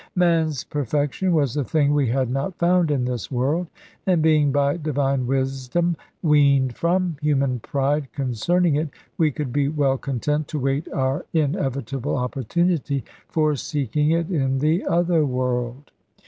Man's perfection was a thing we had not found in this world; and being by divine wisdom weaned from human pride concerning it, we could be well content to wait our inevitable opportunity for seeking it in the other world.